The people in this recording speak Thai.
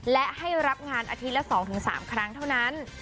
และให้รับงานอาทิตย์ละ๒๓ครั้งเท่านั้น